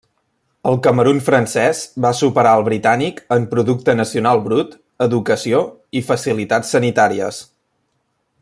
El Camerun francès va superar al britànic en producte nacional brut, educació i facilitats sanitàries.